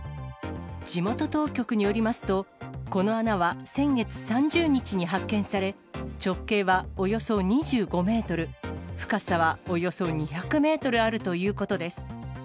地元当局によりますと、この穴は先月３０日に発見され、直径はおよそ２５メートル、深さはおよそ２００メートルあるということです。